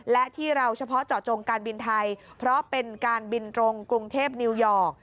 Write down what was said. และที่เราเฉพาะเจาะจงการบินไทยเพราะเป็นการบินตรงกรุงเทพนิวยอร์ก